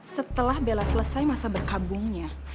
setelah bella selesai masa berkabungnya